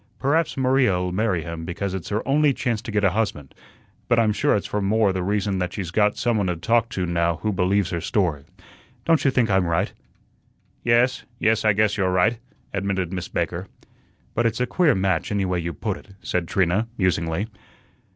Perhaps Maria'll marry him because it's her only chance to get a husband, but I'm sure it's more for the reason that she's got some one to talk to now who believes her story. Don't you think I'm right?" "Yes, yes, I guess you're right," admitted Miss Baker. "But it's a queer match anyway you put it," said Trina, musingly.